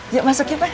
yuk masuk ya pak